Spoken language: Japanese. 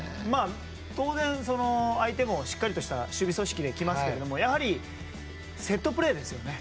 当然、相手もしっかりとした守備組織で来ますけどもやはりセットプレーですよね。